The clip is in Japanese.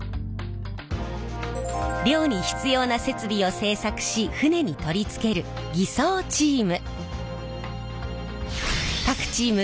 漁に必要な設備を製作し船に取り付ける艤装チーム。